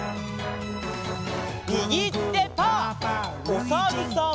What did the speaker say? おさるさん。